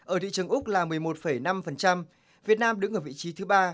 ở thị trường úc là một mươi một năm việt nam đứng ở vị trí thứ ba